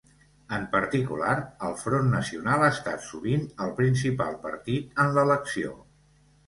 En particular, el Front Nacional ha estat sovint el principal partit en l'elecció.